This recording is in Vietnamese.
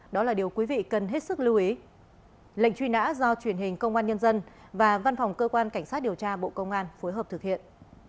đó là điều quý vị cần hết sức lưu ý lệnh truy nã do truyền hình công an nhân dân và văn phòng cơ quan cảnh sát điều tra bộ công an phối hợp thực hiện